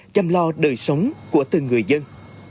chăm lo đời sống của từng người dân